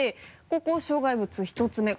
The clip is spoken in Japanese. ここ障害物１つ目。